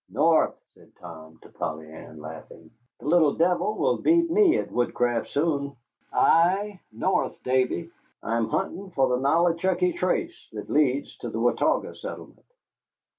"North!" said Tom to Polly Ann, laughing. "The little devil will beat me at woodcraft soon. Ay, north, Davy. I'm hunting for the Nollichucky Trace that leads to the Watauga settlement."